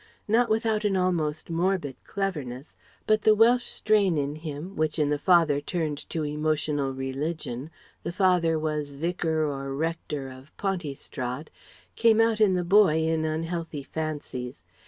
Not without an almost mordid cleverness; but the Welsh strain in him which in the father turned to emotional religion the father was Vicar or Rector of Pontystrad came out in the boy in unhealthy fancies.